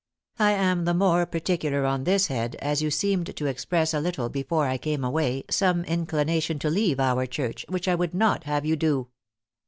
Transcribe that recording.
I am the more particular on this head, as you seemed to express a little before I came away some inclination to leave our church, which I would not have you do."